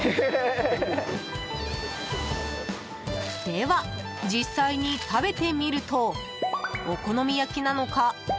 では、実際に食べてみるとお好み焼きなのか？